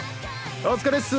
お疲れっす。